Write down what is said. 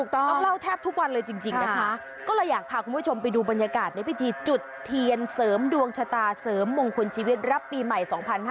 ต้องเล่าแทบทุกวันเลยจริงนะคะก็เลยอยากพาคุณผู้ชมไปดูบรรยากาศในพิธีจุดเทียนเสริมดวงชะตาเสริมมงคลชีวิตรับปีใหม่๒๕๕๙